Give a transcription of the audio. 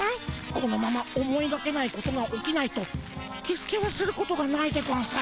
このまま思いがけないことが起きないとキスケはすることがないでゴンス。